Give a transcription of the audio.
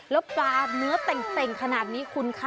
แล้วปลาเนื้อเต่งขนาดนี้คุณคะ